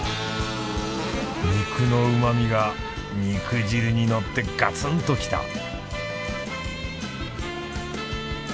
肉のうまみが肉汁にのってガツンときた！